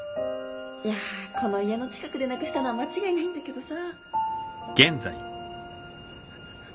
いやこの家の近くでなくしたのは間違いないんだけどさ